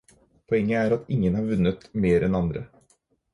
Poenget er at ingen har vunnet mer enn andre.